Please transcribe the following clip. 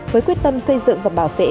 với quyết tâm xây dựng và bảo vệ